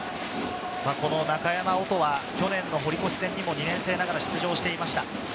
中山織斗は去年の堀越戦にも２年生ながら出場していました。